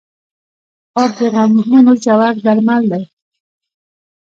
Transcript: خوب د غمونو ژور درمل دی